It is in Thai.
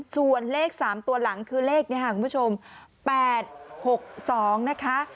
ส่วนเลข๓ตัวหลังคือเลขนี้ค่ะคุณผู้ชม๘๖๒นะคะ